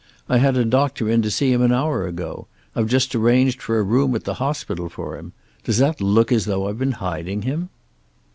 I had a doctor in to see him an hour ago. I've just arranged for a room at the hospital for him. Does that look as though I've been hiding him?"